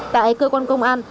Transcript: tại cơ quan công an